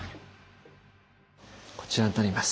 こちらになります。